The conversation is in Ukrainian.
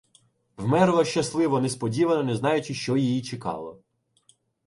Вмерла щасливо, несподівано, не знаючи, що її чекало.